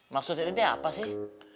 maksudnya itu apa sih